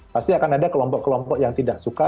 pasti akan ada kelompok kelompok yang tidak suka